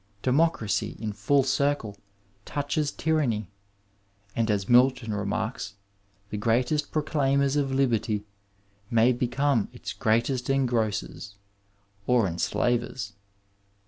Democracy in full circle touches tjrranny, and as Milton remarks, the greatest proclaimers of liberty may become its greatest engrossers (or enslavers).